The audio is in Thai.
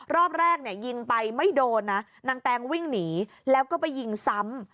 รอบแรกเนี่ยยิงไปไม่โดนนะนางแตงวิ่งหนีแล้วก็ไปยิงซ้ำ